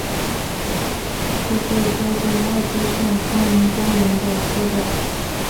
是最接近爱知县森林公园的车站。